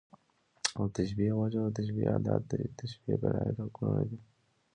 د تشبېه وجه او د تشبېه ادات، د تشبېه فرعي رکنونه دي.